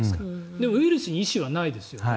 でも、ウイルスに意思はないですよね